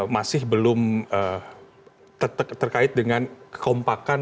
masih belum terkait dengan kekompakan